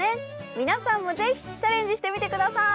皆さんもぜひチャレンジしてみてください！